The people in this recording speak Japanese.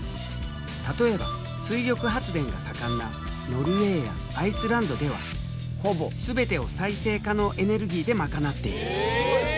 例えば水力発電が盛んなノルウェーやアイスランドではほぼ全てを再生可能エネルギーでまかなっている。